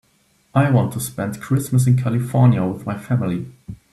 I want to spend Christmas in California with my family.